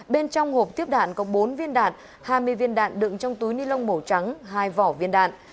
bên trong hộp tiếp đạn có bốn viên đạn hai mươi viên đạn đựng trong túi ni lông màu trắng hai vỏ viên đạn